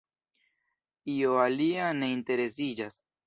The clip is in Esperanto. Io alia ne interesiĝas.